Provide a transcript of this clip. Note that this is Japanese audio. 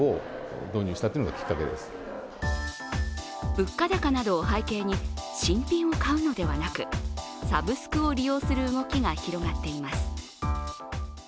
物価高などを背景に新品を買うのではなくサブスクを利用する動きが広がっています。